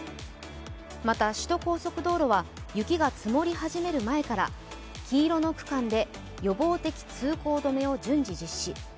また、首都高速道路は雪が積もり始める前から黄色の区間で予防的通行止めを順次実施。